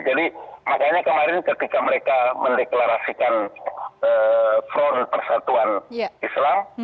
jadi makanya kemarin ketika mereka mendeklarasikan front persatuan islam